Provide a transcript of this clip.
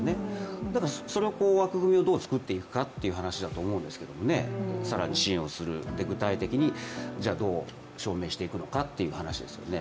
ただそれを枠組みをどう作っていくかという話だと思いますけどね更に支援をする、具体的にどう証明していくのかという話ですよね。